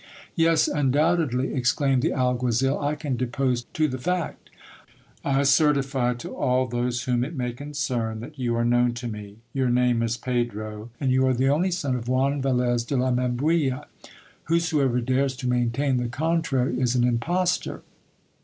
Yes, undoubtedly, exclaimed the alguazil, I can depose to the fact. I certify to all those whom it may concern, that you are known to me : your name is Pedro, and you are the only son of Juan Valez de la Membrilla : whosoever dares to maintain the contrary is an impostor.